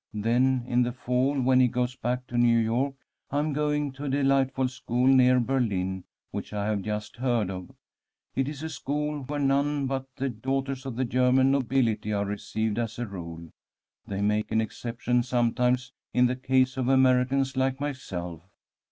Then in the fall, when he goes back to New York, I am going to a delightful school near Berlin which I have just heard of. It is a school where none but the daughters of the German nobility are received, as a rule. They make an exception sometimes in the case of Americans like myself.